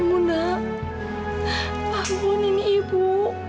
amunah amun ini ibu